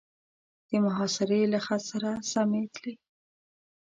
د محاصرې له خط سره سمې تلې.